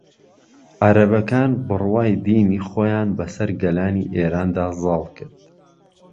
عەرەبەکان بڕوای دینی خۆیان بە سەر گەلانی ئێراندا زاڵ کرد